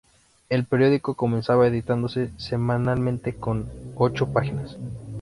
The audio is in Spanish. El periódico comenzó editándose semanalmente con apenas ocho páginas.